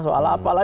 soal apa lah